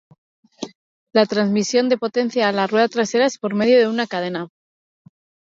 La transmisión de potencia a la rueda trasera es por medio de una cadena.